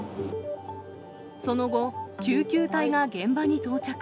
その後、救急隊が現場に到着。